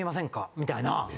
みたいな。